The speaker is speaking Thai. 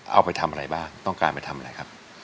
เอาไปทำอะไรบ้างต้องการไปทำอะไรครับ